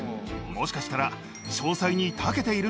もしかしたら。